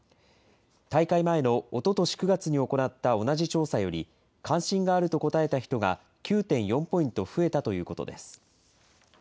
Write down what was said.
大会前のおととし９月に行った同じ調査より、関心があると答えた人が９．４ポイント増えたということです。